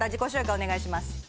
お願いします。